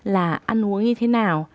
là ăn uống như thế nào